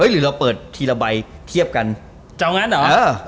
เฮ้ยหรือเราเปิดทีละใบเทียบกันจากงั้นเหรอเออ